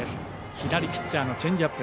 左ピッチャーのチェンジアップ。